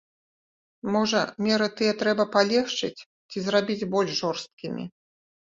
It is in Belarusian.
Можа, меры тыя трэба палегчыць ці зрабіць больш жорсткімі?